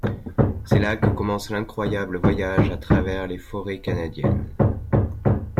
C'est là que commence l'incroyable voyage à travers les forêts canadiennes.